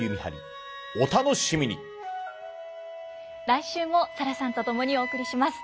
来週もサラさんと共にお送りします。